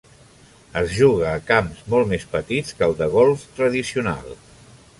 Es juga a camps molt més petits que el de golf tradicional.